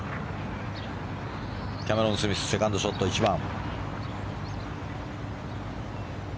キャメロン・スミスセカンドショット、１番。